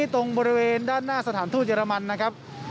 ตรงบริเวณด้านหน้าสถานทูตเรมันนะครับ